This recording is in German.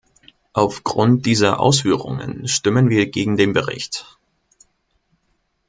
Aufgrund dieser Ausführungen stimmen wir gegen den Bericht.